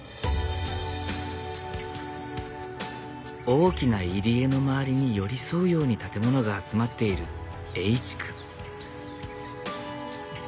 大きな入り江の周りに寄り添うように建物が集まっている江井地区。